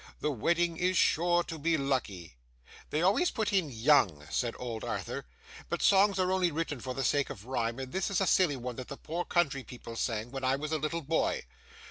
The wedding is sure to be lucky! 'They always put in "young,"' said old Arthur, 'but songs are only written for the sake of rhyme, and this is a silly one that the poor country people sang, when I was a little boy.